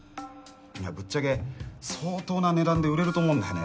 いやぶっちゃけ相当な値段で売れると思うんだよね